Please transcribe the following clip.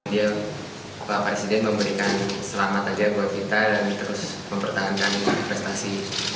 dia pak presiden memberikan selamat aja buat kita dan terus mempertahankan prestasi